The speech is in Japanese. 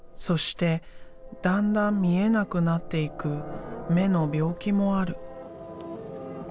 そしてだんだん見えなくなっていく目の病気もある」。